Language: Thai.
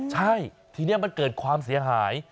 ใช่ทีนี้มันเกิดความเสียหาย